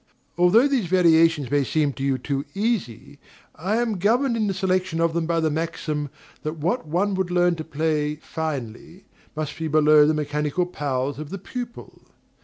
Although these variations may seem to you too easy, I am governed in the selection of them by the maxim that "what one would learn to play finely must be below the mechanical powers of the pupil."